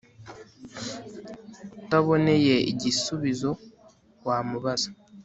utaboneye igisubizo wa mubaza